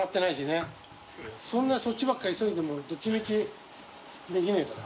そんなそっちばっかり急いでも匹辰舛澆できねぇから。